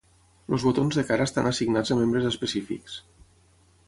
Els botons de cara estan assignats a membres específics.